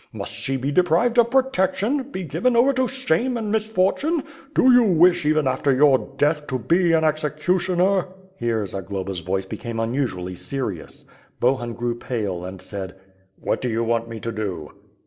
Must she be deprived of protec tion, be given over to shame and misfortune? Do you wish, even after your death, to be an executioner?" Here, Zagloba's voice became unusually serious. Bohun grew pale, and said: "What do you want me to do?''